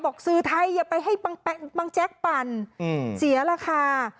บอกสื่อให้ไปให้บางแจกปั่นเสียราคา